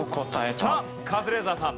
さあカズレーザーさん。